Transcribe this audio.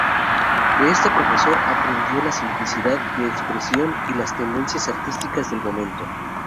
De este profesor aprendió la simplicidad de expresión y las tendencias artísticas del momento.